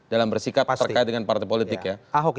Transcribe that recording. dalam bersikap terkait dengan partai politik ya